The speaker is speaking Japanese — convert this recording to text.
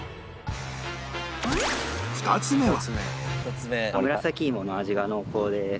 ２つ目は